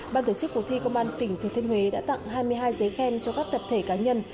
ban tổ chức cuộc thi công an tỉnh thừa thiên huế đã tặng hai mươi hai giấy khen cho các tập thể cá nhân